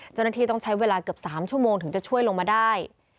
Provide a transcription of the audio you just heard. เจ้าหน้าที่ต้องใช้เวลาเกือบ๓ชั่วโมงถึงจะช่วยลงมาได้